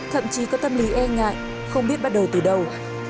thậm chí có tâm lý e ngại không biết bắt đầu từ đâu